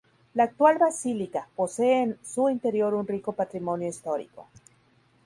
La actual basílica, posee en su interior un rico patrimonio histórico.